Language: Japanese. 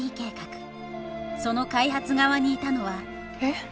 その開発側にいたのはえ？